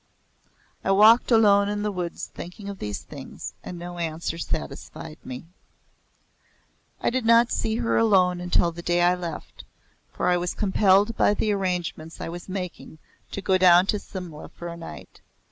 I walked alone in the woods thinking of these things and no answer satisfied me. I did not see her alone until the day I left, for I was compelled by the arrangements I was making to go down to Simla for a night.